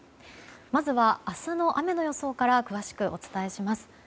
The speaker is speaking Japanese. まずは明日の雨の予想から詳しくお伝えします。